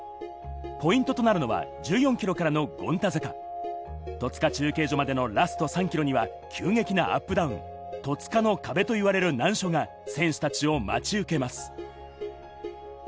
ポイントとなるのは１４キロからの権太坂、戸塚中継所までのラスト３ｋｍには急激なアップダウン、戸塚の壁といわれる難所が選手たちを待ち受けます。